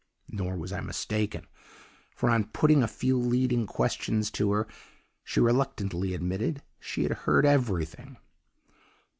Nor was I mistaken, for, on putting a few leading questions to her, she reluctantly admitted she had heard everything.